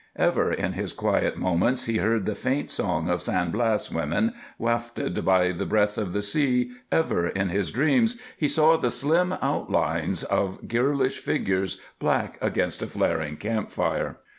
Ever in his quiet moments he heard the faint song of San Blas women wafted by the breath of the sea, ever in his dreams he saw the slim outlines of girlish figures black against a flaring camp fire.